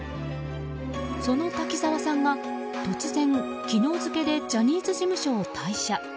その滝沢さんが突然、昨日付でジャニーズ事務所を退社。